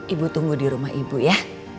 ibu tunggu di rumah ibu ya